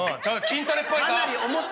筋トレっぽいぞ。